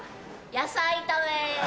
野菜炒め！